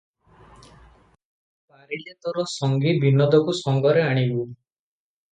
ପାରିଲେ ତୋର ସଙ୍ଗୀ ବିନୋଦକୁ ସଙ୍ଗରେ ଆଣିବୁ ।